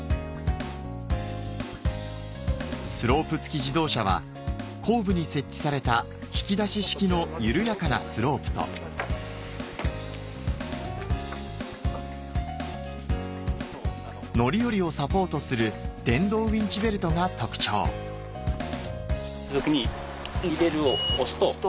スロープ付き自動車は後部に設置された引き出し式の緩やかなスロープと乗り降りをサポートする電動ウインチベルトが特徴「入れる」を押すと。